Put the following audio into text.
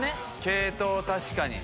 系統確かに。